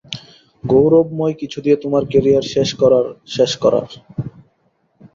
গৌরবময় কিছু দিয়ে তোমার ক্যারিয়ার শেষ করার শেষ করার।